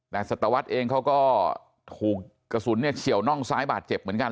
แต่สัตวรรษเองเขาก็ถูกกระสุนเนี่ยเฉียวน่องซ้ายบาดเจ็บเหมือนกัน